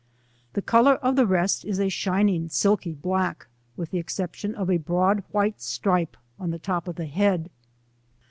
The colour of the rest is a shin ing silky black, with the exception of a broad white stripe on the top of the head.